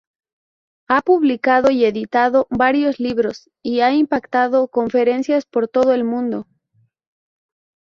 Ha publicado y editado varios libros y ha impartido conferencias por todo el mundo.